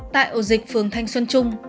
tại ổ dịch phường thanh xuân trung